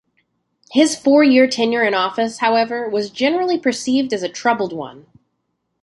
His four-year tenure in office, however, was generally perceived as a troubled one.